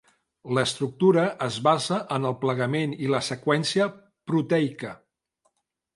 L’estructura es basa en el plegament i la seqüència proteica.